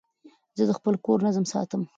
زه د خپل کور نظم ساتم.